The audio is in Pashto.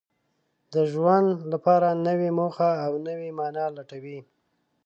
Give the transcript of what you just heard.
د ژوند لپاره نوې موخه او نوې مانا لټوي.